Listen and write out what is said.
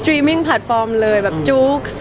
แต่จริงแล้วเขาก็ไม่ได้กลิ่นกันว่าถ้าเราจะมีเพลงไทยก็ได้